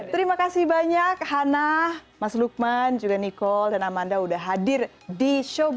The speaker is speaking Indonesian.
terima kasih banyak hannah mas lukman juga nicole dan amanda udah hadir di show bunga